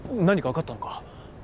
何かわかったのか？